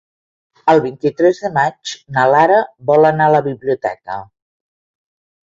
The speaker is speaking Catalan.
El vint-i-tres de maig na Lara vol anar a la biblioteca.